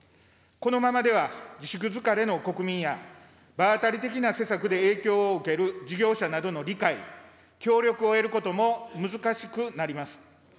このままでは自粛疲れの国民や、場当たり的な施策で影響を受ける事業者などの理解、協力を得ることも難しくなります。